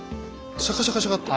シャカシャカシャカッと。